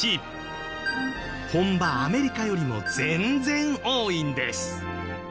本場アメリカよりも全然多いんです。